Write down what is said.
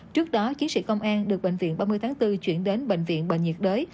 trước đó chiến sĩ công an được bệnh viện ba mươi tháng bốn chuyển đến bệnh viện bệnh nhiệt đới